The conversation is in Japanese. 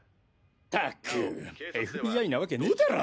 ったくＦＢＩなワケねだろ！